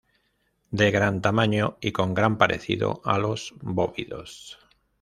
De gran tamaño y con gran parecido a los bóvidos.